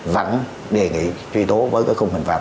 vẫn đề nghị truy tố với cái khung hình phạt